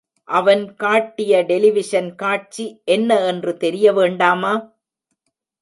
அவன் காட்டிய டெலிவிஷன் காட்சி என்ன என்று தெரியவேண்டாமா?